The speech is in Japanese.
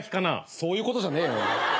そういうことじゃねえよ。